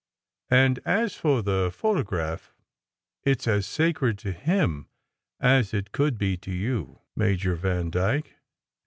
And as for the photo graph, it s as sacred to him as it could be to you, Major Vandyke.